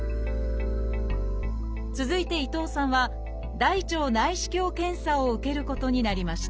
続いて伊藤さんは「大腸内視鏡検査」を受けることになりました